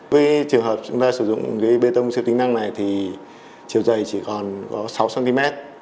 với trường hợp chúng ta sử dụng bê tông siêu tính năng này thì chiều dày chỉ còn có sáu cm